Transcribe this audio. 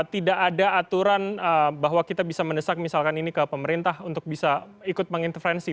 tidak ada aturan bahwa kita bisa mendesak misalkan ini ke pemerintah untuk bisa ikut mengintervensi